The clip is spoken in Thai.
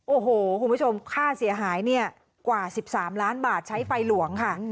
โอ้โหคุณผู้ชมค่าเสียหายเนี่ยกว่า๑๓ล้านบาทใช้ไฟหลวงค่ะ